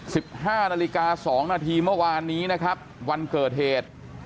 สิบห้านาฬิกาสองนาทีเมื่อวานนี้นะครับวันเกิดเหตุ